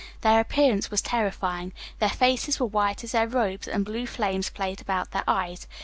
Their appearance was terrifying. Their faces were white as their robes, and blue flames played about their eyes.